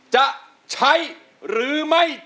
จะใช้หรือไม่ใช้ครับ